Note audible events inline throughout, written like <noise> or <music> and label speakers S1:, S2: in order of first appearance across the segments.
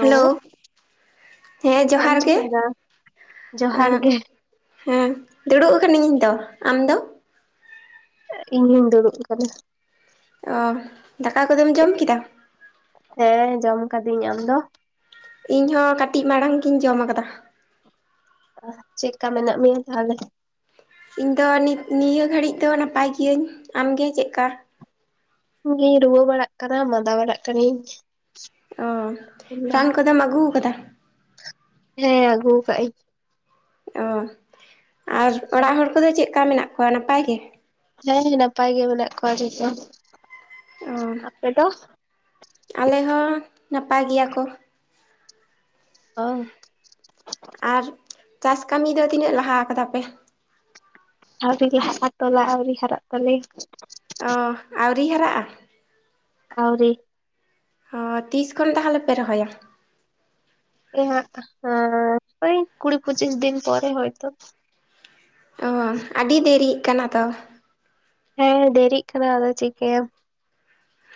S1: Hello <inaudible> ᱦᱮᱸ
S2: ᱪᱮᱫ ᱮᱢ
S1: ᱡᱚᱦᱟᱨ ᱜᱮ <inaudible>
S2: ᱪᱤᱠᱟᱹᱭᱮᱫᱟ ᱡᱚᱦᱟᱨ ᱜᱮ
S1: ᱦᱮᱸ ᱫᱩᱲᱩᱵ ᱠᱟᱱᱟᱧ ᱤᱧ ᱫᱚ᱾ ᱟᱢ ᱫᱚ?
S2: ᱤᱧᱦᱩᱧ ᱫᱩᱲᱩᱵ ᱠᱟᱱᱟ᱾
S1: ᱚ ᱫᱟᱠᱟ ᱠᱚᱫᱚᱢ ᱡᱚᱢ ᱠᱮᱫᱟ?
S2: ᱦᱮᱸ ᱡᱚᱢ ᱠᱟᱹᱫᱤᱧ, ᱟᱢ ᱫᱚ?
S1: ᱤᱧᱦᱚ ᱠᱟᱹᱴᱤᱡ ᱢᱟᱲᱟᱝ ᱜᱤᱧ ᱡᱚᱢ ᱠᱟᱫᱟ᱾
S2: ᱪᱮᱠᱟ ᱢᱮᱱᱟᱜ ᱢᱮᱭᱟ ᱛᱟᱦᱚᱞᱮ?
S1: ᱤᱧ ᱫᱚ ᱱᱤᱛ ᱱᱤᱭᱟᱹ ᱜᱷᱟᱹᱲᱤᱡ ᱫᱚ ᱱᱟᱯᱟᱭ ᱜᱤᱭᱟᱹᱧ ᱾ᱟᱢᱜᱮ ᱪᱮᱫᱠᱟ?
S2: ᱤᱧ ᱜᱮᱧ ᱨᱩᱣᱟᱹ ᱵᱟᱲᱟᱜ ᱠᱟᱱᱟ ᱢᱟᱫᱟ ᱵᱟᱲᱟᱜ ᱠᱟᱱᱤᱧ᱾
S1: ᱚ, ᱨᱟᱱ ᱠᱚᱫᱚᱢ ᱟᱹᱜᱩ ᱠᱟᱫᱟ?
S2: ᱦᱮᱸ ᱟᱹᱜᱩ ᱠᱟᱜ-ᱟᱧ᱾
S1: ᱚ ᱟᱨ ᱚᱲᱟᱜ ᱦᱚᱲ ᱠᱚᱫᱚ ᱪᱮᱫ ᱞᱮᱠᱟ ᱢᱮᱱᱟᱜ ᱠᱚᱣᱟ ᱱᱟᱯᱟᱭ ᱜᱮ?
S2: ᱦᱮᱸ ᱱᱟᱯᱟᱭ ᱜᱮ ᱢᱮᱱᱟᱜ ᱠᱚᱣᱟ ᱡᱷᱚᱛᱚ
S1: ᱚ
S2: ᱾ <inaudible> ᱟᱯᱮ ᱫᱚ?
S1: ᱟᱞᱮ ᱦᱚᱸ ᱱᱟᱯᱟᱭ ᱜᱮᱭᱟ ᱠᱚ ᱾
S2: ᱚ ᱾
S1: ᱟᱨ ᱪᱟᱥ ᱠᱟᱹᱢᱤ ᱫᱚ ᱛᱤᱱᱟᱹᱜ ᱞᱟᱦᱟ ᱠᱟᱫᱟ ᱯᱮ?
S2: ᱟᱣᱨᱤ ᱞᱟᱦᱟᱜ-ᱟ ᱛᱚᱞᱟ ᱟᱹᱣᱨᱤ ᱦᱟᱨᱟᱜ ᱛᱟᱞᱮᱭᱟ ᱾
S1: ᱚᱻ ᱟᱹᱣᱨᱤ ᱦᱟᱨᱟᱜ-ᱟ?
S2: ᱟᱹᱣᱨᱤ ᱾
S1: ᱚᱻ ᱛᱤᱥ ᱠᱷᱚᱱ ᱛᱟᱦᱚᱞᱮ ᱯᱮ ᱨᱚᱦᱚᱭᱟ?
S2: ᱮ ᱦᱟᱸᱜ ᱳᱭ ᱠᱩᱲᱤ ᱯᱚᱸᱪᱤᱥ ᱫᱤᱱ ᱯᱚᱨᱮ ᱦᱚᱭᱛᱚ ᱾
S1: ᱚᱻ ᱟᱹᱰᱤ ᱫᱮᱨᱤᱜ ᱠᱟᱱᱟ ᱛᱚ ᱾
S2: ᱦᱮᱸ ᱫᱮᱨᱤᱜ ᱠᱟᱱᱟ ᱟᱫᱚ ᱪᱤᱠᱟᱹᱭᱟᱢ ᱾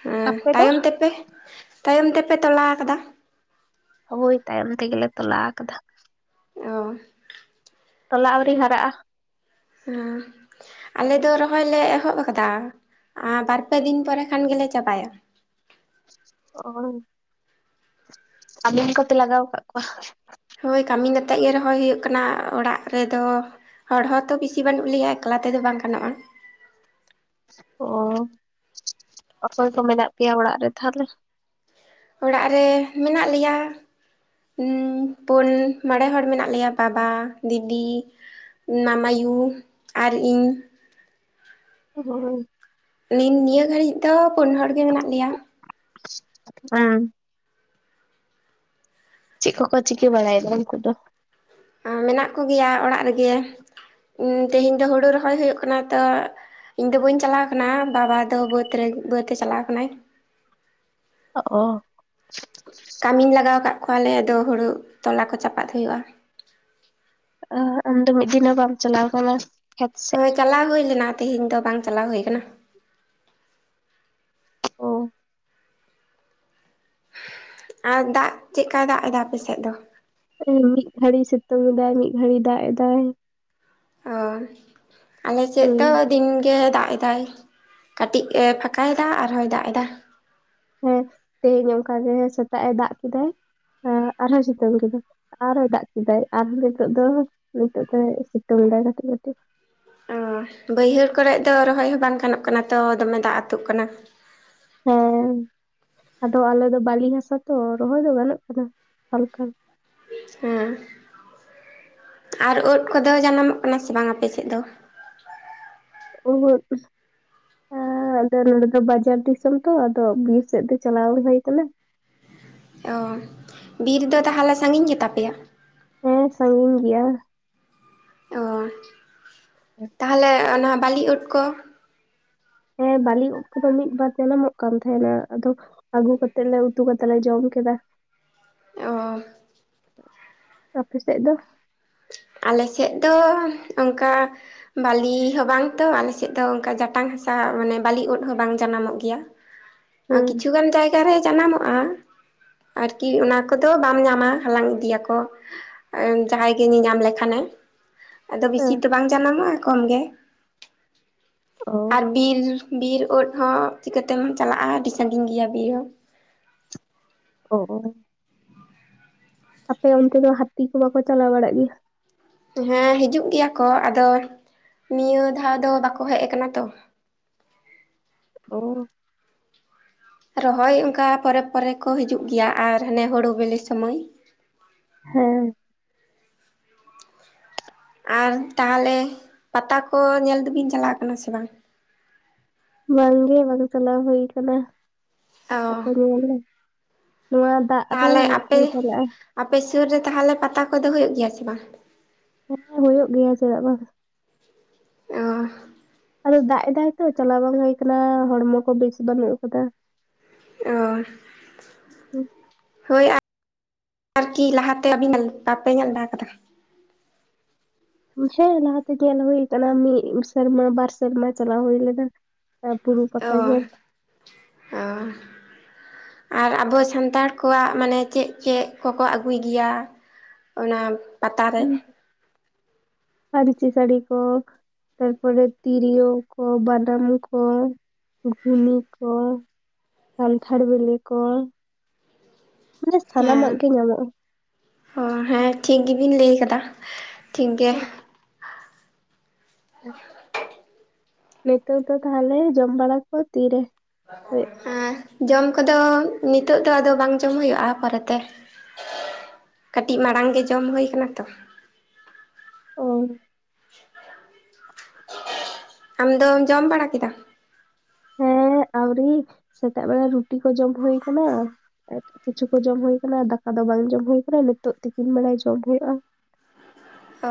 S1: ᱦᱮᱸ ᱛᱟᱭᱚᱢ ᱛᱮᱯᱮ ᱛᱟᱭᱚᱢ ᱛᱮᱯᱮ ᱛᱚᱞᱟ ᱠᱟᱫᱟ ᱾
S2: ᱦᱳᱭ ᱛᱟᱭᱚᱢ ᱛᱮᱜᱮ ᱞᱮ ᱛᱚᱞᱟ ᱟᱠᱟᱫᱟ ᱾
S1: ᱚ ᱾
S2: ᱛᱚᱞᱟ ᱟᱹᱣᱨᱤ ᱦᱟᱨᱟᱜ-ᱟ ᱾
S1: ᱦᱩᱸ ᱾ ᱟᱞᱮ ᱫᱚ ᱨᱚᱦᱚᱭ ᱞᱮ ᱮᱦᱚᱵ ᱠᱟᱫᱟ ᱟᱨ ᱵᱟᱨᱯᱮ ᱫᱤᱱ ᱯᱚᱨᱮ ᱠᱷᱟᱱ ᱜᱮᱞᱮ ᱪᱟᱵᱟᱭᱟ ᱾
S2: <unintelligible> ᱠᱟᱹᱢᱤᱱ ᱠᱚᱯᱮ ᱞᱟᱜᱟᱣ ᱟᱠᱟᱜ ᱠᱚᱣᱟ?
S1: ᱦᱳᱭ ᱠᱟᱹᱢᱤᱱ ᱟᱛᱮᱜ ᱜᱮ ᱨᱚᱦᱚᱭ ᱦᱩᱭᱩᱜ ᱠᱟᱱᱟ ᱚᱲᱟᱜ ᱨᱮᱫᱚ ᱦᱚᱲ ᱦᱚᱸ ᱛᱚ ᱵᱤᱥᱤ ᱵᱟᱹᱱᱩᱜ ᱞᱮᱭᱟ ᱮᱠᱞᱟ ᱛᱮᱫᱚ ᱵᱟᱝ ᱜᱟᱱᱚᱜᱼᱟ ᱾
S2: ᱚ ᱚᱠᱚᱭ ᱠᱚ ᱢᱮᱱᱟᱜ ᱯᱮᱭᱟ ᱚᱲᱟᱜ ᱨᱮ ᱛᱟᱦᱚᱞᱮ?
S1: ᱚᱲᱟᱜ ᱨᱮ ᱢᱮᱱᱟᱜ ᱞᱮᱭᱟ ᱯᱩᱱ, ᱢᱚᱬᱮ ᱦᱚᱲ ᱢᱮᱱᱟᱜ ᱞᱮᱭᱟ ᱵᱟᱵᱟ ᱫᱤᱫᱤ ᱢᱟᱢᱟᱭᱩ ᱟᱨ ᱤᱧ ᱾
S2: ᱦᱳᱭ
S1: ᱱᱤᱱ ᱱᱤᱭᱟᱹ ᱜᱷᱟᱹᱲᱤᱡ ᱫᱚ ᱯᱩᱱ ᱦᱚᱲ ᱜᱮ ᱢᱮᱱᱟᱜ ᱞᱮᱭᱟ ᱾
S2: ᱩᱢᱸ ᱪᱮᱜ ᱠᱚ ᱠᱚ ᱪᱤᱠᱟᱹ ᱵᱟᱲᱟᱭᱮᱫᱟ ᱩᱱᱠᱩ ᱫᱚ?
S1: ᱢᱮᱱᱟᱜ ᱠᱚᱜᱮᱭᱟ ᱚᱲᱟᱜ ᱨᱮᱜᱮ ᱛᱮᱦᱮᱧ ᱫᱚ ᱦᱳᱲᱳ ᱨᱚᱦᱚᱭ ᱦᱳᱭᱳᱜ ᱠᱟᱱᱟ ᱛᱚ ᱤᱧ ᱫᱚ ᱵᱟᱹᱧ ᱪᱟᱞᱟᱣ ᱠᱟᱱᱟ ᱵᱟᱵᱟ ᱫᱚ ᱵᱟᱹᱫᱽ ᱨᱮ ᱵᱟᱹᱫᱽ ᱮ ᱪᱟᱞᱟᱣ ᱠᱟᱱᱟᱭ ᱾
S2: ᱚ
S1: ᱠᱟᱹᱢᱤᱱ ᱞᱟᱜᱟᱣ ᱟᱠᱟᱫ ᱠᱚᱣᱟᱞᱮ ᱟᱫᱚ ᱦᱳᱲᱳ ᱛᱚᱞᱟ ᱠᱚ ᱪᱟᱯᱟᱫ ᱦᱳᱭᱳᱜᱼᱟ ᱾
S2: ᱚ ᱟᱢ ᱫᱚ ᱢᱤᱫ ᱫᱤᱱ ᱦᱚ ᱵᱟᱢ ᱪᱟᱞᱟᱣ ᱠᱟᱱᱟ? ᱠᱷᱮᱛ ᱥᱮᱫ?
S1: ᱦᱳᱭ ᱪᱟᱞᱟᱣ ᱦᱳᱭ ᱞᱮᱱᱟ ᱛᱮᱦᱮᱧ ᱫᱚ ᱵᱟᱝ ᱪᱟᱞᱟᱣ ᱦᱳᱭ ᱠᱟᱱᱟ ᱾
S2: ᱚ
S1: ᱟᱨ ᱫᱟᱜ ᱪᱮᱜᱠᱟᱭ ᱫᱟᱜ ᱮᱫᱟ ᱟᱯᱮ ᱥᱮᱫ ᱫᱚ?
S2: ᱢᱤᱫ ᱜᱷᱟᱹᱲᱤᱭ ᱥᱤᱛᱩᱝ ᱮᱟᱭ ᱢᱤᱫ ᱜᱷᱟᱹᱲᱤᱭ ᱫᱟᱜ ᱮᱸᱫᱟᱭ ᱾
S1: ᱚ ᱟᱸᱞᱮ ᱥᱮᱫ
S2: ᱦᱩᱸ
S1: ᱫᱚ ᱫᱤᱱ ᱜᱮ ᱫᱟᱜ ᱮᱟᱭ ᱠᱟᱹᱴᱤᱡ ᱮ ᱯᱷᱟᱸᱠᱟ ᱮᱫᱟ ᱟᱨᱦᱚᱭ ᱫᱟᱜ ᱮᱫᱟ ᱾
S2: ᱦᱮᱸ ᱛᱮᱦᱮᱧ ᱚᱝᱠᱟᱜᱮ ᱥᱮᱛᱟᱜ ᱮ ᱫᱟᱜ ᱠᱮᱫᱟᱭ ᱟᱨᱦᱚᱸ ᱥᱤᱛᱩᱝ ᱠᱮᱹᱫᱟᱭ᱾ ᱟᱨᱦᱚᱭ ᱫᱟᱜ ᱠᱮᱫᱟᱭ ᱟᱨᱦᱚᱸ ᱱᱤᱛᱚᱜ ᱫᱚ ᱱᱤᱛᱚᱜ ᱫᱚ ᱥᱤᱛᱩᱝ ᱮᱫᱟᱭ ᱠᱟᱴᱤᱡ ᱠᱟᱴᱤᱡ᱾
S1: ᱚ ᱵᱟᱹᱭᱦᱟᱹᱲ ᱠᱚᱨᱮ ᱫᱚ ᱨᱚᱦᱚᱭ ᱦᱚᱸ ᱵᱟᱝ ᱜᱟᱱᱚᱜ ᱠᱟᱱᱟ ᱛᱚ ᱫᱚᱢᱮ ᱫᱟᱜ ᱟᱹᱛᱩᱜ ᱠᱟᱱᱟ᱾
S2: ᱦᱮᱸ ᱟᱫᱚ ᱟᱞᱮ ᱫᱚ ᱵᱟᱹᱞᱤ ᱦᱟᱥᱟ ᱛᱚ ᱨᱚᱦᱚᱭ ᱫᱚ ᱜᱟᱱᱚᱜ ᱠᱟᱱᱟ ᱦᱟᱞᱠᱟ᱾
S1: ᱦᱮᱸ ᱟᱨ ᱩᱫ ᱠᱚᱫᱚᱹ ᱡᱟᱱᱟᱢᱚᱹᱜ ᱠᱟᱱᱟ ᱥᱮ ᱵᱟᱝ ᱟᱸᱯᱮ ᱥᱮᱫ ᱫᱚ ᱾
S2: ᱩᱦᱩᱫ ᱟᱸ ᱟᱫᱚ ᱱᱚᱰᱮ ᱫᱚ ᱵᱟᱡᱟᱨ ᱫᱤᱥᱚᱢ ᱛᱚ ᱟᱫᱚ ᱵᱤᱨ ᱥᱮ ᱫᱚ ᱪᱟᱞᱟᱣ ᱵᱟᱝ ᱦᱩᱭ ᱟᱠᱟᱱᱟ ᱾
S1: ᱚ ᱵᱤᱨ ᱫᱚ ᱛᱟᱦᱚᱞᱮ ᱥᱟᱺᱜᱤᱧ ᱜᱮᱛᱟ ᱯᱮᱭᱟ?
S2: ᱦᱮᱸ ᱥᱟᱺᱜᱤᱧ ᱜᱮᱭᱟ᱾
S1: ᱚ ᱛᱟᱦᱚᱸᱞᱮ ᱚᱱᱟ ᱵᱟᱞᱤ ᱩᱫ ᱠᱚᱸ
S2: ᱦᱮᱸ ᱵᱟᱹᱞᱤ ᱩᱫ ᱠᱚᱫᱚ ᱢᱤᱫ ᱵᱟᱨ ᱡᱟᱱᱟᱢᱚᱜ ᱠᱟᱱ ᱛᱟᱦᱮᱸᱱᱟ ᱟᱫᱚ ᱟᱜᱩ ᱠᱟᱛᱮᱜ ᱞᱮ ᱩᱛᱩ ᱠᱟᱛᱮ ᱞᱮ ᱡᱚᱢ ᱠᱮᱫᱟ ᱾
S1: ᱚᱸ
S2: ᱟᱸᱯᱮ ᱥᱮᱫ ᱫᱚ?
S1: ᱟᱸᱞᱮ ᱥᱮᱫ ᱫᱚ ᱚᱝᱠᱟ ᱵᱟᱹᱞᱤ ᱦᱚᱸ ᱵᱟᱝ ᱛᱚ ᱟᱸᱞᱮᱥᱮᱫ ᱫᱚ ᱚᱱᱠᱟ ᱡᱟᱴᱟᱝ ᱦᱟᱥᱟ ᱢᱟᱱᱮ ᱵᱟᱹᱞᱤ ᱩᱫ ᱦᱚᱸ ᱵᱟᱝ ᱡᱟᱱᱟᱢᱚᱜ ᱜᱮᱭᱟ ᱾
S2: <inaudible>
S1: ᱟᱨ ᱠᱤᱪᱷᱩ ᱜᱟᱱ ᱡᱟᱭᱜᱟᱨᱮ ᱡᱟᱱᱟᱢᱚᱜᱼᱟ, ᱟᱨᱠᱤ ᱚᱱᱟ ᱠᱚᱫᱚ ᱵᱟᱢ ᱧᱟᱢᱟ, ᱦᱟᱞᱟᱝ ᱤᱫᱤᱭᱟᱠᱚ ᱡᱟᱦᱟᱸᱭ ᱜᱮ ᱧᱮᱧᱟᱢ ᱞᱮᱠᱷᱟᱱᱮ ᱟᱫᱚ ᱵᱤᱥᱤ
S2: ᱦᱮᱸ
S1: ᱛᱚ ᱵᱟᱝ ᱡᱟᱱᱟᱢᱚᱜᱼᱟ ᱠᱚᱢ ᱜᱮ᱾
S2: ᱚ
S1: ᱟᱨ ᱵᱤᱨ ᱵᱤᱨ ᱩᱫ ᱦᱚᱸ ᱪᱤᱠᱟᱹᱛᱮᱢ ᱪᱟᱞᱟᱜᱼᱟ ᱟᱰᱤ ᱥᱟᱺᱟᱜᱤᱧ ᱜᱮᱭᱟ ᱵᱤᱨ ᱦᱚᱸ᱾
S2: ᱚ ᱟᱯᱮ ᱚᱱᱛᱮ ᱫᱚ ᱦᱟᱛᱤ ᱠᱚ ᱵᱟᱠᱚ ᱪᱟᱞᱟᱣ ᱵᱟᱲᱟᱜ ᱜᱮᱭᱟ?
S1: ᱦᱮᱸ ᱦᱤᱡᱩᱜ ᱜᱮᱭᱟ ᱠᱚ ᱟᱫᱚ ᱱᱤᱭᱟᱹ ᱫᱷᱟᱣ ᱫᱚ ᱵᱟᱠᱚ ᱦᱮᱡ ᱟᱠᱟᱱᱟ ᱛᱚ ᱾
S2: ᱚᱻ ᱾
S1: ᱨᱚᱦᱚᱭ ᱚᱱᱠᱟ ᱯᱚᱨᱮ ᱯᱚᱨᱮ ᱠᱚ ᱦᱤᱡᱩᱜ ᱜᱮᱹᱭᱟ ᱟᱨ ᱦᱟᱱᱮ ᱦᱩᱲᱩ ᱵᱤᱞᱤ ᱥᱢᱚᱭ᱾
S2: ᱦᱮᱸ᱾
S1: ᱟᱨ ᱛᱟᱦᱚᱞᱮ ᱯᱟᱛᱟ ᱠᱚ ᱧᱮᱞ ᱫᱚᱸᱵᱤᱱ ᱪᱟᱞᱟᱜ ᱠᱟᱱᱟ ᱥᱮ ᱵᱟᱝ?
S2: ᱵᱟᱝ ᱜᱮ ᱵᱟᱝ ᱪᱟᱞᱟᱣ ᱦᱩᱭ ᱟᱸᱠᱟᱱᱟ
S1: ᱚ
S2: ᱯᱟᱛᱟ ᱠᱚ ᱧᱮᱞ ᱫᱚ᱾ ᱱᱚᱣᱟ ᱫᱟᱜ ᱨᱮ
S1: ᱛᱟᱦᱚᱸᱞᱮ ᱟᱸᱯᱮ
S2: ᱚᱠᱚᱭ ᱪᱟᱞᱟᱜᱼᱟ
S1: ᱟᱸᱯᱮ ᱥᱩᱨ ᱨᱮ ᱛᱟᱦᱚᱸᱞᱮ ᱯᱟᱛᱟ ᱠᱚᱫᱚᱹ ᱦᱩᱭᱩᱜ ᱜᱮᱹᱭᱟ ᱥᱮ ᱵᱟᱝ?
S2: ᱦᱩᱭᱩᱜ ᱜᱮᱹᱭᱟ ᱪᱮᱫᱟᱜ ᱵᱟᱝ᱾
S1: ᱚ᱾
S2: ᱟᱸᱫᱚ ᱫᱟᱜ ᱮᱫᱟᱭ ᱛᱚ ᱪᱟᱞᱟᱣ ᱵᱟᱝ ᱦᱩᱭ ᱠᱟᱱᱟᱹ ᱦᱚᱲᱢᱚ ᱵᱮᱥ ᱵᱟᱹᱱᱩᱜ ᱟᱸᱠᱟᱫᱟ᱾
S1: ᱚ᱾
S2: ᱦᱩᱸ
S1: ᱦᱳᱭ ᱟᱨ ᱟᱨᱠᱤ ᱞᱟᱦᱟᱸᱛᱮ ᱟᱵᱤᱱ <unintelligible> ᱵᱟᱲᱟ ᱠᱟᱫᱟ᱾
S2: ᱦᱮᱸ ᱞᱟᱦᱟᱸᱛᱮ ᱧᱮᱞ ᱦᱩᱭ ᱟᱸᱠᱟᱱᱟ ᱢᱤᱫ ᱥᱮᱨᱢᱟ ᱵᱟᱨ ᱥᱮᱨᱢᱟ ᱪᱟᱞᱟᱣ ᱦᱩᱭᱞᱮᱱᱟ᱾ ᱟ ᱵᱩᱨᱩ
S1: ᱚ
S2: ᱯᱟᱛᱟ ᱧᱮᱞ᱾
S1: ᱚ᱾ ᱟᱨ ᱟᱸᱵᱚ ᱥᱟᱱᱛᱟᱲ ᱠᱚᱣᱟ-ᱜ ᱢᱟᱹᱱᱮ ᱪᱮᱫ ᱪᱮᱫ ᱠᱚᱠᱚᱸ ᱟᱹᱜᱩᱭ ᱜᱮᱭᱟ? ᱚᱱᱟ ᱯᱟᱛᱟᱨ ᱨᱮ᱾
S2: ᱯᱟᱹᱧᱪᱤ ᱥᱟᱹᱲᱤ ᱠᱚ ᱛᱟᱨᱯᱚᱨᱮ ᱛᱤᱨᱭᱳ ᱠᱚ ᱵᱟᱱᱟᱢ ᱠᱚᱸ᱾ ᱜᱷᱩᱱᱤ ᱠᱚ ᱴ, ᱠᱟᱱᱴᱷᱟᱲ ᱵᱤᱞᱤ ᱠᱚᱸ᱾ ᱢᱟᱱᱮ
S1: ᱦᱮᱸ
S2: ᱥᱟᱱᱟᱢᱟ-ᱜ ᱜᱮ ᱧᱟᱢᱚᱜᱼᱟ᱾
S1: ᱚ ᱦᱮᱸ ᱴᱷᱤᱠ ᱜᱮᱸᱵᱤᱱ ᱞᱟᱹᱭ ᱠᱟᱫᱟ ᱴᱷᱤᱠ ᱜᱮ᱾
S2: ᱱᱤᱛᱚᱜ ᱫᱚ ᱛᱟᱦᱞᱮ ᱡᱚᱢ ᱵᱟᱲᱟ ᱠᱚ ᱛᱤᱹᱨᱮ?
S1: ᱦᱮᱸ᱾ ᱡᱚᱢ ᱠᱚᱫᱚ ᱱᱤᱛᱚᱜ ᱫᱚ ᱟᱫᱚ ᱵᱟᱝ ᱡᱚᱢ ᱦᱩᱭᱩᱜ-ᱟ ᱯᱚᱨᱮᱛᱮ᱾
S2: <inaudible>
S1: ᱠᱟᱹᱴᱤᱡ ᱢᱟᱲᱟᱝ ᱜᱮ ᱡᱚᱢ ᱦᱩᱭ ᱠᱟᱱᱟ ᱛᱚ᱾
S2: ᱳ᱾
S1: <unintelligible> ᱟᱢ ᱫᱚᱢ ᱡᱚᱢ ᱵᱟᱲᱟ ᱠᱮᱫᱟ?
S2: ᱦᱮᱸ ᱟᱣᱨᱤ ᱥᱮᱛᱟᱜ ᱵᱮᱲᱟ ᱨᱩᱴᱤ ᱠᱚ ᱡᱚᱢ ᱦᱩᱭ ᱠᱟᱱᱟ᱾ ᱮᱸ ᱠᱤᱪᱷᱩ ᱠᱚ ᱡᱚᱢ ᱦᱩᱭ ᱠᱟᱱᱟ᱾ ᱫᱟᱠᱟ ᱫᱚ ᱵᱟᱝ ᱡᱚᱢ ᱦᱩ ᱠᱟᱱᱟ᱾ ᱱᱤᱛᱚᱜ ᱛᱤᱠᱤᱱ ᱵᱮᱲᱟ ᱡᱚᱢ ᱦᱩᱭᱩᱜ-ᱟ᱾
S1: ᱚ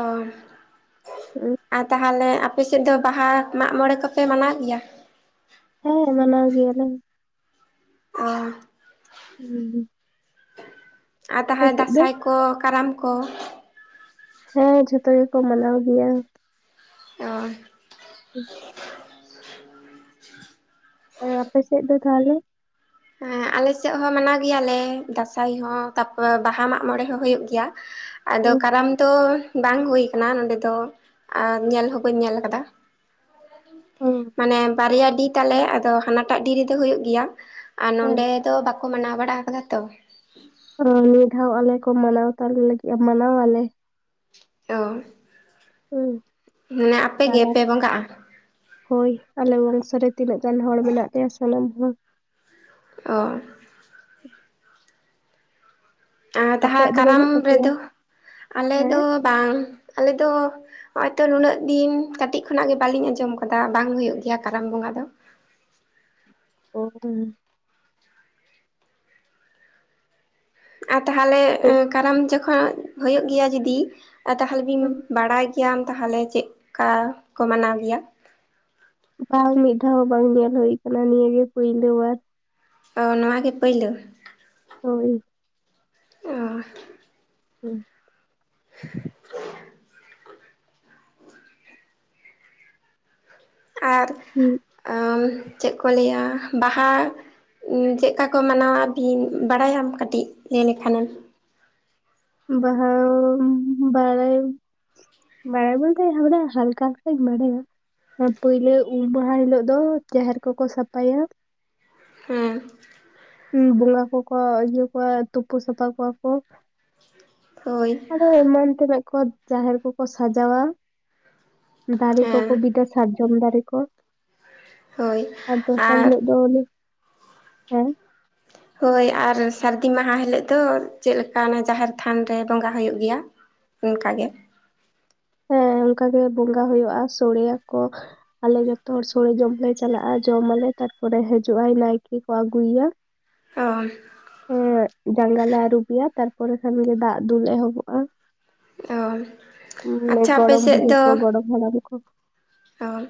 S1: ᱟᱨ ᱛᱟᱦᱚᱞᱮ ᱟᱯ ᱟᱯᱮ ᱥᱮᱫ ᱫᱚ ᱵᱟᱦᱟ ᱢᱟᱜᱽ ᱢᱚᱬᱮ ᱠᱚᱯᱮ ᱢᱟᱱᱟᱣ ᱜᱮᱭᱟ?
S2: ᱦᱮᱸ ᱢᱟᱱᱟᱣ ᱜᱮᱭᱟᱞᱮ᱾
S1: ᱚ᱾
S2: ᱦᱩᱸ ᱦᱩᱸ᱾
S1: ᱟᱨ
S2: ᱟᱯᱮ
S1: ᱛᱟᱦᱚᱭ
S2: ᱥᱮᱫ ᱫᱚ?
S1: ᱫᱟᱸᱥᱟᱭ ᱠᱚ ᱠᱟᱨᱟᱢ ᱠᱚ
S2: ᱦᱮᱸ ᱡᱷᱚᱛᱚ ᱜᱮᱠᱚ ᱢᱟᱱᱟᱣ ᱜᱮᱭᱟ᱾
S1: ᱚ᱾
S2: <unintelligible> ᱦᱮᱸ ᱟᱯᱮ ᱥᱮᱫ ᱫᱚ ᱛᱟᱦᱚᱞᱮ?
S1: ᱦᱮᱸ ᱟᱞᱮ ᱥᱮᱜ ᱦᱚᱸ ᱢᱟᱱᱟᱣ ᱜᱮᱭᱟᱞᱮ ᱫᱟᱸᱥᱟᱭ ᱦᱚᱸ ᱛᱟᱯᱚᱨ ᱵᱟᱦᱟ ᱢᱟᱜᱽ ᱢᱚᱬᱮ ᱦᱚᱸ ᱦᱩᱭᱩᱜ ᱜᱮᱭᱟ᱾ ᱟᱫᱚ
S2: ᱦᱩᱸ,
S1: ᱠᱟᱨᱟᱢ ᱫᱚ ᱵᱟᱝ ᱦᱩᱭᱳ ᱠᱟᱱᱟ ᱱᱚᱸᱰᱮ ᱫᱚ ᱟᱨ ᱧᱮᱞ ᱦᱚᱸ ᱵᱟᱹᱧ ᱧᱮᱞ ᱟᱠᱟᱫᱟ᱾
S2: ᱦᱩᱸ,
S1: ᱢᱟᱱᱮ ᱵᱟᱨᱭᱟ ᱰᱤ ᱛᱟᱞᱮ ᱟᱫᱚ ᱦᱟᱱᱟᱴᱟᱜ ᱰᱤ ᱨᱮᱫᱚ ᱦᱩᱭᱩᱜ ᱜᱮᱭᱟ᱾ ᱟᱨ
S2: ᱦᱮᱸ,
S1: ᱱᱚᱰᱮ ᱫᱚ ᱵᱟᱠᱚ ᱢᱟᱱᱟᱣ ᱵᱟᱲᱟ ᱟᱠᱟᱫᱟ ᱛᱚ᱾
S2: ᱚᱸ ᱱᱤᱭᱟᱹ ᱫᱷᱟᱣ ᱟᱞᱮ ᱠᱚ ᱢᱟᱱᱟᱣ ᱛᱟᱞᱮ ᱞᱟᱹᱜᱤᱫ-ᱟ, ᱢᱟᱱᱟᱣ ᱟᱞᱮ᱾
S1: ᱚ
S2: ᱦᱩᱸ
S1: ᱢᱟᱱᱮ ᱟᱯᱮ
S2: ᱠᱟᱨᱟᱢ
S1: ᱜᱮᱯᱮ ᱵᱚᱸᱜᱟᱜ-ᱟ?
S2: ᱦᱳᱭ ᱟᱞᱮ ᱵᱚᱝᱥᱚ ᱨᱮ ᱛᱤᱱᱟᱹᱜ ᱜᱟᱱ ᱦᱚᱲ ᱢᱮᱱᱟᱜ ᱞᱮᱭᱟ ᱥᱟᱱᱟᱢ ᱦᱚᱲ᱾
S1: ᱚ ᱟᱸ ᱛᱟᱦᱟ
S2: ᱟᱯᱮᱭᱟᱜ ᱫᱚ
S1: ᱠᱟᱨᱟᱢ
S2: ᱵᱟᱹᱱᱩᱜ ᱛᱟᱯᱮᱭᱟ?
S1: ᱨᱮᱫᱚ ᱟᱞᱮ ᱫᱚ
S2: ᱦᱮᱸ
S1: ᱵᱟᱝ ᱟᱞᱮ ᱫᱚ ᱱᱚᱜ-ᱚᱭ ᱛᱚ ᱱᱩᱱᱟᱹᱜ ᱫᱤᱱ ᱠᱟᱴᱤᱡ ᱠᱷᱚᱱᱟᱜ ᱜᱮ ᱵᱟᱞᱤᱧ ᱟᱸᱡᱚᱢ ᱠᱟᱫᱟ ᱵᱟᱝ ᱦᱩᱭᱩᱜ ᱜᱮᱭᱟ ᱠᱟᱨᱟᱢ ᱵᱚᱸᱜᱟ ᱫᱚ᱾
S2: <unintelligible>
S1: ᱟ ᱛᱟᱦᱞᱮ
S2: ᱛᱚ
S1: ᱠᱟᱨᱟᱢ ᱡᱚᱠᱷᱚᱢ ᱦᱳᱭᱳᱜ ᱜᱮᱭᱟ ᱡᱩᱫᱤ ᱟ ᱛᱟᱦᱞᱮ ᱵᱤᱱ ᱵᱟᱲᱟᱭ ᱜᱮᱭᱟᱢ ᱛᱟᱦᱞᱮ ᱪᱮᱜ ᱠᱟ ᱠᱚ ᱢᱟᱱᱟᱣ ᱜᱮᱭᱟ?
S2: ᱵᱟᱝ ᱢᱤᱫ ᱫᱷᱟᱣ ᱦᱚᱸ ᱵᱟᱝ ᱧᱮᱞ ᱦᱩᱭ ᱠᱟᱱᱟ ᱱᱤᱭᱟᱹᱜᱮ ᱯᱩᱭᱞᱳ ᱵᱟᱨ᱾
S1: ᱚ ᱱᱚᱣᱟ ᱜᱮ ᱯᱟᱹᱭᱞᱟᱹ?
S2: ᱦᱳᱭ
S1: ᱚ
S2: <unintelligible>
S1: <unintelligible> ᱟᱨ
S2: ᱦᱩᱸ
S1: ᱟᱢ ᱪᱮᱜ ᱠᱚ ᱞᱟᱹᱭᱟ ᱵᱟᱦᱟ ᱩᱸᱢ ᱪᱮᱜᱠᱟ ᱠᱚ ᱢᱟᱱᱟᱣᱟ ᱵᱤᱱ ᱵᱟᱲᱟᱭᱟᱢ ᱠᱟᱹᱴᱤᱡ ᱞᱟᱹᱭ ᱞᱮᱠᱷᱟᱱᱮᱢ?
S2: ᱵᱟᱦᱚᱢ ᱵᱟᱲᱟᱭᱟᱹᱧ᱾ ᱵᱟᱲᱟᱭ ᱵᱚᱞᱛᱮ ᱦᱟᱵᱽᱲᱟ ᱦᱟᱞᱠᱟ ᱦᱟᱞᱠᱟᱧ ᱵᱟᱲᱟᱭᱟ᱾ ᱟᱨ ᱯᱩᱭᱞᱟᱹ ᱩᱢ ᱢᱟᱦᱟ ᱦᱤᱞᱳᱜ ᱫᱚ ᱡᱟᱦᱮᱨ ᱠᱚᱠᱚ ᱥᱟᱯᱷᱟᱭᱟ᱾
S1: ᱦᱮᱸ
S2: ᱩᱸ ᱵᱚᱸᱜᱟ ᱠᱚᱠᱚ ᱤᱭᱟᱹ ᱠᱚᱣᱟ ᱛᱩᱯᱩ ᱥᱟᱯᱷᱟ ᱠᱚᱣᱟ ᱠᱚ᱾
S1: ᱦᱳᱭ
S2: ᱟᱨᱚ ᱮᱢᱟᱱ ᱛᱮᱱᱟᱜ ᱠᱚ ᱡᱟᱦᱮᱨ ᱠᱚᱠᱚ ᱥᱟᱡᱟᱣᱟ ᱫᱟᱨᱮ ᱠᱚᱠᱚ
S1: ᱦᱮᱸ
S2: ᱵᱤᱫᱟ ᱥᱟᱨᱡᱚᱢ ᱫᱟᱨᱮ ᱠᱚ
S1: ᱦᱳᱭ
S2: ᱟᱨ ᱫᱚᱥᱟᱨ ᱦᱤᱞᱳᱜ ᱫᱚ ᱩᱱᱤᱼᱼ ᱦᱮᱸ
S1: ᱦᱳᱭ ᱟᱨ ᱥᱟᱹᱨᱫᱤ ᱢᱟᱦᱟ ᱦᱤᱞᱳᱜ ᱫᱚ ᱪᱮᱫ ᱞᱮᱠᱟ ᱚᱱᱟ ᱡᱟᱦᱮᱨ ᱛᱷᱟᱱ ᱨᱮ ᱵᱚᱸᱜᱟ ᱦᱩᱭᱩᱜ ᱜᱮᱭᱟ? ᱚᱱᱠᱟᱜᱮ
S2: ᱦᱮᱸ ᱚᱱᱠᱟᱜᱮ ᱵᱚᱸᱜᱟ ᱦᱩᱭᱩᱜᱼᱟ ᱥᱳᱲᱮᱭᱟᱠᱚ ᱾ ᱟᱞᱮ ᱡᱚᱛᱚ ᱦᱚᱲ ᱥᱳᱲᱮ ᱡᱚᱢ ᱞᱮ ᱪᱟᱞᱟᱜᱼᱟ ᱡᱚᱢ ᱟᱞᱮ ᱛᱟᱨᱯᱚᱨᱮ ᱦᱤᱡᱩᱜ ᱟᱭ ᱱᱟᱭᱠᱮ ᱠᱚ ᱟᱹᱜᱩᱭᱭᱟ <unintelligible>
S1: ᱚᱱ
S2: ᱦᱮᱸ ᱡᱟᱸᱜᱟ ᱞᱮ ᱟᱨᱩᱵᱮᱭᱟ ᱛᱟᱨᱯᱚᱨᱮ ᱠᱷᱟᱱᱜᱮ ᱫᱟᱜ ᱫᱩᱞ ᱮᱦᱚᱵᱚᱜᱼᱟ ᱾
S1: ᱚᱼᱼ
S2: ᱦᱚᱸ ᱜᱚᱲᱚᱢ ᱵᱩᱰᱷᱤ ᱠᱚ ᱜᱚᱲᱚᱢ ᱦᱟᱲᱟᱢ ᱠᱚᱼᱼ
S1: ᱚᱞᱼᱼ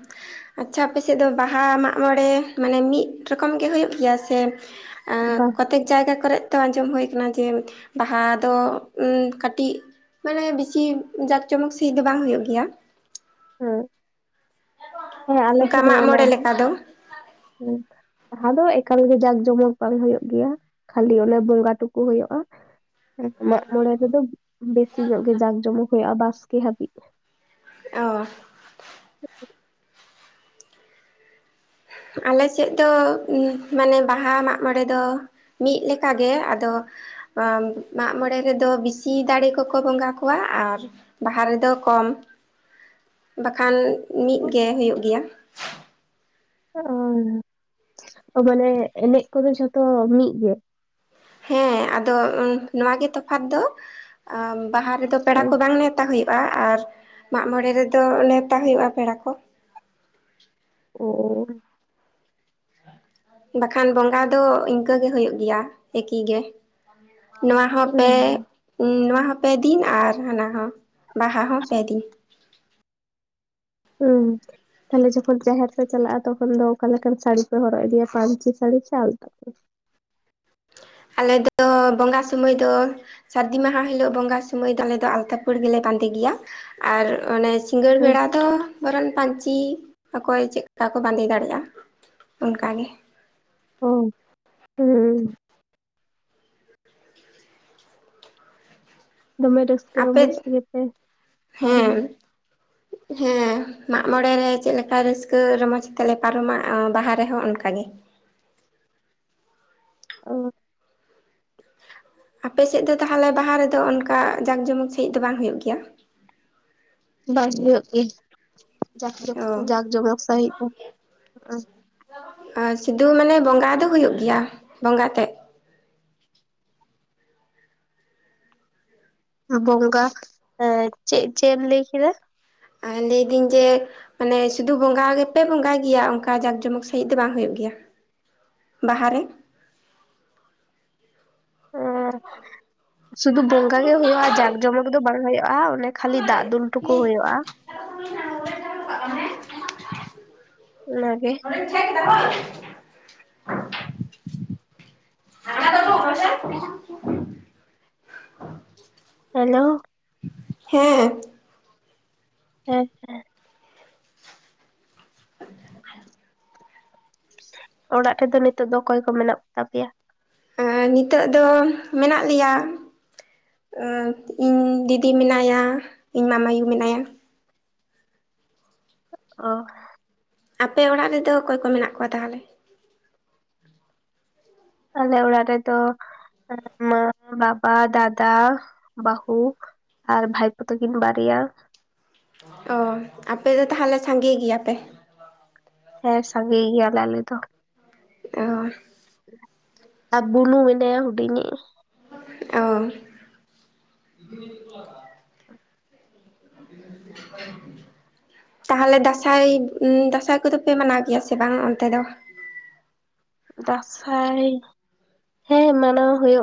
S1: ᱟᱪᱪᱷᱟ ᱟᱯᱮ ᱥᱮᱫ ᱫᱚ ᱵᱟᱦᱟ ᱢᱟᱜ ᱢᱚᱬᱮ ᱢᱟᱱᱮ ᱢᱤᱫ ᱨᱚᱠᱚᱢ ᱜᱮ ᱦᱩᱭᱩᱜ ᱜᱮᱭᱟ ᱥᱮᱼᱼ ᱟᱸ
S2: ᱵᱟᱝ
S1: ᱠᱚᱛᱮᱠ ᱡᱟᱭᱜᱟ ᱠᱚᱨᱮ ᱛᱚ ᱟᱸᱡᱚᱢ ᱦᱩᱭ ᱠᱟᱱᱟ ᱡᱮ ᱵᱟᱦᱟ ᱫᱚ ᱠᱟᱹᱴᱤᱡᱼᱼ ᱢᱟᱱᱮ ᱵᱤᱥᱤ ᱡᱟᱠ ᱡᱚᱢᱚᱠ ᱥᱟᱹᱦᱤᱡ ᱫᱚ ᱵᱟᱝ ᱦᱩᱭᱩᱜ ᱜᱮᱭᱟ ᱾
S2: ᱦᱩᱸ ᱦᱮᱸ ᱟᱞᱮ
S1: ᱚᱱᱠᱟ
S2: ᱴᱷᱮ ᱫᱚ
S1: ᱢᱟᱜ
S2: ᱚᱱᱟᱼᱼ
S1: ᱢᱚᱬᱮ ᱞᱮᱠᱟ ᱫᱚ
S2: <unintelligible> ᱵᱟᱦᱟᱸ ᱫᱚ ᱮᱠᱟᱞ ᱜᱮ ᱡᱟᱸᱠ ᱡᱚᱢᱚᱠ ᱵᱟᱝ ᱦᱩᱭᱩᱜ ᱜᱮᱭᱟ ᱠᱷᱟᱹᱞᱤ ᱚᱱᱟ ᱵᱚᱸᱜᱟ ᱴᱩᱠᱩ ᱦᱩᱭᱩᱜᱼᱟ ᱾ ᱢᱟᱜ ᱢᱚᱬᱮ ᱨᱮᱫᱚ ᱵᱮᱥᱤ ᱧᱚᱜ ᱜᱮ ᱡᱟᱠ ᱡᱚᱢᱚᱠ ᱦᱩᱭᱩᱜᱼᱟ ᱵᱟᱥᱠᱮ ᱦᱟᱹᱵᱤᱡ ᱾
S1: ᱚ ᱟᱞ ᱥᱮᱫ ᱫᱚ ᱩᱸ ᱢᱟᱱᱮ ᱵᱟᱦᱟ ᱢᱟᱜ ᱢᱚᱬᱮ ᱫᱚᱼᱼ ᱢᱤᱫ ᱞᱮᱠᱟᱜᱮ ᱟᱫᱚᱼᱼ ᱢᱟᱜᱢᱚᱬᱮ ᱨᱮᱫᱚ ᱵᱤᱥᱤ ᱫᱟᱲᱮ ᱠᱚᱠᱚ ᱵᱚᱸᱜᱟ ᱠᱚᱣᱟ ᱟᱨᱼᱼ ᱵᱟᱦᱟ ᱨᱮᱫᱚ ᱠᱚᱢ ᱵᱟᱠᱷᱟᱱ ᱢᱤᱫᱜᱮ ᱦᱩᱭᱩᱜ ᱜᱮᱭᱟ ᱾
S2: ᱚ ᱢᱟᱱᱮ ᱮᱱᱮᱡ ᱠᱚᱫᱚ ᱡᱷᱚᱛᱚ ᱢᱤᱫ ᱜᱮ?
S1: ᱦᱮᱸ ᱟᱫᱚ ᱱᱚᱣᱟ ᱜᱮ ᱛᱚᱯᱷᱟᱛ ᱫᱚ ᱵᱟᱦᱟ ᱨᱮᱫᱚ ᱯᱮᱲᱟ ᱠᱚ ᱵᱟᱝ ᱱᱮᱼᱼ ᱱᱮᱣᱛᱟ ᱦᱩᱭᱩᱜᱼᱟ ᱟᱨ ᱢᱟᱜ ᱢᱚᱬᱮ ᱨᱮᱫᱚ ᱱᱮᱣᱛᱟ ᱦᱩᱭᱩᱜᱼᱟ ᱯᱮᱲᱟ ᱠᱚ ᱾
S2: ᱚ᱾
S1: ᱵᱟᱠᱷᱟᱱ ᱵᱚᱸᱜᱟ ᱫᱚ ᱤᱱᱠᱟᱹ ᱜᱮ ᱦᱩᱭᱩᱜ ᱜᱮᱭᱟ ᱮᱠᱤ ᱜᱮ ᱾ ᱱᱚᱣᱟ ᱦᱚᱸ ᱯᱮ
S2: ᱦᱩᱸ
S1: ᱱᱚᱣᱟ ᱦᱚᱸ ᱯᱮ ᱫᱤᱱ ᱟᱨ ᱦᱟᱱᱟ ᱦᱚᱸ᱾ ᱵᱟᱦᱟ ᱦᱚᱸ ᱯᱮ ᱫᱤᱱ ᱾
S2: ᱩᱸ᱾ ᱛᱟᱦᱞᱮ ᱡᱚᱠᱷᱚᱱ ᱡᱟᱦᱮᱨ ᱯᱮ ᱪᱟᱞᱟᱜᱼᱟ ᱛᱚᱠᱷᱚᱱ ᱫᱚ ᱚᱠᱟ ᱞᱮᱠᱟᱱ ᱥᱟᱹᱲᱤ ᱯᱮ ᱦᱚᱨᱚᱜ ᱤᱫᱤᱭᱟ ᱯᱟᱹᱧᱪᱤ ᱥᱟᱹᱲᱤ ᱥᱮ ᱟᱞᱛᱟ ᱯᱟᱹᱲ?
S1: ᱟᱞᱮ ᱫᱚ ᱵᱚᱸᱜᱟ ᱥᱩᱢᱚᱭ ᱫᱚᱼᱼ ᱥᱟᱹᱨᱫᱤ ᱢᱟᱦᱟ ᱦᱤᱞᱳᱜ ᱵᱚᱸᱜᱟ ᱥᱚᱢᱚᱭ ᱫᱚ ᱟᱞᱮ ᱫᱚ ᱟᱞᱛᱟ ᱯᱟᱹᱲ ᱜᱮᱞᱮ ᱵᱟᱹᱫᱮ ᱜᱮᱭᱟ ᱟᱨ ᱚᱱᱮᱼᱼ ᱥᱤᱜᱟᱹᱲ
S2: ᱦᱩᱸ
S1: ᱵᱮᱲᱟ ᱫᱚᱼᱼ ᱵᱚᱨᱚᱱ ᱯᱟᱹᱧᱪᱤ ᱚᱠᱚᱭ ᱪᱮᱫ ᱠᱟ ᱠᱚ ᱵᱟᱸᱫᱮ ᱫᱟᱲᱮᱭᱟᱜᱼᱟ ᱚᱱᱠᱟ ᱜᱮ ᱾
S2: ᱦᱳᱭ ᱦᱩᱸ ᱫᱚᱢᱮ ᱨᱟᱹᱥᱠᱟᱹ
S1: ᱟᱯᱮ
S2: ᱨᱚᱢᱚᱡᱽ ᱛᱮᱜᱮ ᱯᱮ ᱯᱟᱨᱚᱢᱟ ᱟᱨᱼᱼ
S1: ᱦᱮᱸ ᱦᱮᱸ ᱢᱟᱜ ᱢᱚᱬᱮ ᱨᱮ ᱪᱮᱫ ᱞᱮᱠᱟ ᱨᱟᱹᱥᱠᱟᱹ ᱨᱚᱢᱚᱡᱽ ᱛᱮᱞᱮ ᱯᱟᱨᱚᱢᱟ ᱵᱟᱦᱟ ᱨᱮᱦᱚᱸ ᱚᱱᱠᱟᱜᱮ ᱾
S2: ᱚ
S1: ᱟᱯᱮ ᱥᱮᱫ ᱫᱚ ᱛᱟᱦᱚᱞᱮ ᱵᱟᱦᱟ ᱨᱮᱫᱚ ᱚᱱᱠᱟ ᱡᱟᱠ ᱡᱚᱢᱚᱠ ᱥᱟᱺᱦᱤᱡ ᱫᱚ ᱵᱟᱝ ᱦᱩᱭᱩᱜ ᱜᱮᱭᱟ?
S2: ᱵᱟᱝ ᱦᱩᱭᱩᱜ ᱜᱮ ᱡᱟᱠ ᱡᱚᱢᱚᱠ
S1: ᱚ
S2: ᱡᱟᱠ ᱡᱚᱢᱚᱠ ᱥᱟᱹᱦᱤᱡ ᱫᱚ ᱾
S1: ᱟᱨ ᱥᱩᱫᱷᱩ ᱢᱟᱱᱮ ᱵᱚᱸᱜᱟ ᱫᱚ ᱦᱩᱭᱩᱜ ᱜᱮᱭᱟ ᱵᱚᱸᱜᱟ ᱛᱮᱫ᱾
S2: ᱵᱚᱸᱜᱟ ᱮᱫ ᱪᱮᱫ ᱪᱮᱫ ᱮᱢ ᱞᱟᱹᱭ ᱠᱮᱫᱟ?
S1: ᱟᱨ ᱞᱟᱹᱭᱫᱟᱹᱧ ᱡᱮᱼᱼ ᱢᱟᱱᱮ ᱥᱩᱫᱷᱩ ᱵᱚᱸᱜᱟ ᱜᱮᱯᱮ ᱵᱚᱸᱜᱟᱭ ᱜᱮᱭᱟ ᱚᱱᱠᱟ ᱡᱟᱠ ᱡᱚᱢᱚᱠ ᱥᱟᱹᱦᱤᱡ ᱫᱚ ᱵᱟᱝ ᱦᱩᱭᱩᱜ ᱜᱮᱭᱟ? ᱵᱟᱦᱟ ᱨᱮ᱾
S2: ᱦᱚᱸ ᱥᱩᱫᱩ ᱵᱚᱸᱜᱟ ᱜᱮ ᱦᱩᱭᱩᱜᱼᱟ ᱡᱟᱠ ᱡᱚᱢᱚᱠ ᱫᱚ ᱵᱟᱝ ᱦᱩᱭᱩᱜᱼᱟ ᱚᱱᱮᱼᱼ ᱠᱷᱟᱹᱞᱤ ᱫᱟᱜ ᱫᱩᱞ ᱴᱩᱠᱩ ᱦᱩᱭᱩᱜᱼᱟ᱾
S1: <unintelligible>
S2: ᱚᱱᱟ ᱜᱮ᱾
S1: <unintelligible>
S2: ᱦᱮᱞᱳ᱾
S1: ᱦᱮᱸ᱾
S2: ᱦᱮᱸ ᱦᱮᱸ᱾
S1: <unintelligible>
S2: ᱚᱲᱟᱜ ᱨᱮᱫᱚ ᱱᱤᱛᱚᱜ ᱫᱚ ᱚᱠᱚᱭ ᱠᱚ ᱢᱮᱱᱟᱜ ᱠᱚ ᱛᱟᱯᱮᱭᱟ?
S1: ᱮ ᱱᱤᱛᱚᱜ ᱫᱚ ᱢᱮᱱᱟᱜ ᱞᱮᱭᱟᱼᱼ ᱩ ᱤᱧ ᱫᱤᱫᱤ ᱢᱮᱱᱟᱭᱟ ᱤᱧ ᱢᱟᱢᱟᱭᱩ ᱢᱮᱱᱟᱭᱟ᱾
S2: ᱚ᱾
S1: ᱟᱯᱮ ᱚᱲᱟᱜ ᱨᱮᱫᱚ ᱚᱠᱚᱭ ᱠᱚ ᱢᱮᱱᱟᱜ ᱠᱚᱣᱟ ᱛᱟᱦᱚᱞᱮ?
S2: ᱟᱞᱮ ᱚᱲᱟᱜ ᱨᱮᱫᱚ ᱢᱟ, ᱵᱟᱵᱟ, ᱫᱟᱫᱟ, ᱵᱟᱹᱦᱩ᱾ ᱟᱨ ᱵᱷᱟᱭ ᱯᱳ ᱛᱟᱠᱤᱱ ᱵᱟᱨᱭᱟ᱾
S1: ᱚ ᱟᱯᱮ ᱫᱚ ᱛᱟᱦᱚᱞᱮ ᱥᱟᱸᱜᱮ ᱜᱮᱭᱟᱯᱮ᱾
S2: ᱦᱮᱸ ᱥᱟᱸᱜᱮ ᱜᱮᱭᱟᱞᱮ ᱟᱞᱮ ᱫᱚ᱾
S1: ᱚ᱾
S2: ᱟᱨ ᱵᱩᱱᱩ ᱢᱮᱱᱟᱭᱟ ᱦᱩᱰᱤᱧᱤᱡ᱾
S1: ᱚ᱾ <unintelligible> ᱛᱟᱦᱚᱞᱮ ᱫᱟᱸᱥᱟᱭ, ᱫᱟᱸᱥᱟᱭ ᱠᱚᱫᱚ ᱯᱮ ᱢᱟᱱᱟᱣ ᱜᱮᱭᱟ ᱥᱮ ᱵᱟᱝ ᱚᱱᱛᱮ ᱫᱚ?
S2: ᱫᱟᱸᱥᱟᱭ ᱦᱮᱸ ᱢᱟᱱᱟᱣ ᱦᱩᱭᱩᱜ